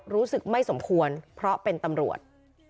รู้สึกไม่สมควรเพราะเป็นตำรวจ